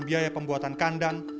biaya pembuatan kandang